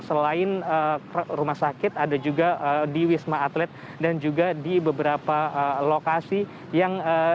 selain rumah sakit ada juga di wisma atlet dan juga di beberapa lokasi yang